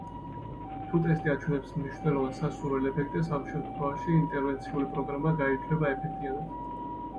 თუ ტესტი აჩვენებს მნიშვნელოვან, სასურველ ეფექტებს, ამ შემთხვევაში, ინტერვენციული პროგრამა ჩაითვლება ეფექტიანად.